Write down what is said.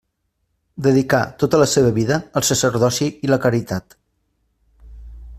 Dedicà tota la seva vida al sacerdoci i la caritat.